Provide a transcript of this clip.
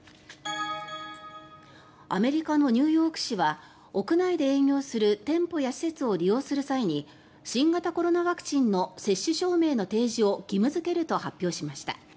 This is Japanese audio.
アメリカのニューヨーク市は屋内で営業する店舗や施設を利用する際に新型コロナワクチンの接種証明の提示を義務付けると発表しました。